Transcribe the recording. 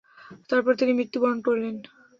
তারপর তিনি মৃত্যুবরণ করলেন।